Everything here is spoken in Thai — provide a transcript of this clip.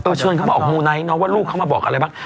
เชิญเขามาออกมูไนท์เนาะว่าลูกเขามาบอกอะไรบ้าง